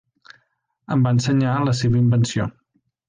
Em va ensenyar la seva invenció.